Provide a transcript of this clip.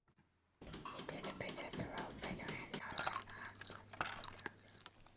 It is the busiest road between Kowloon and the New Territories.